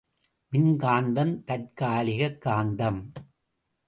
மின்காந்தம் தற்காலிகக் காந்தம்.